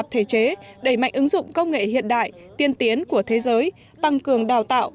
thể chế đẩy mạnh ứng dụng công nghệ hiện đại tiên tiến của thế giới tăng cường đào tạo